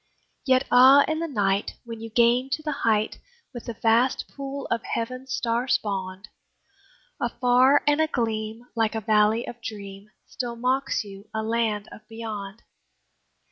Yet ah! in the night when you gain to the height, With the vast pool of heaven star spawned, Afar and agleam, like a valley of dream, Still mocks you a Land of Beyond.